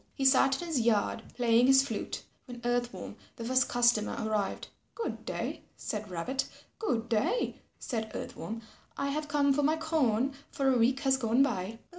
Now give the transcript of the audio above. He sat in his yard playing his flute, when Earth Worm, the first customer arrived. "Good day," said Rabbit. "Good day," said Earth Worm, "I have come for my corn, for a week has gone by."